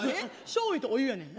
しょうゆと、お湯やねん。